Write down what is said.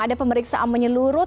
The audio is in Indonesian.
ada pemeriksaan menyeluruh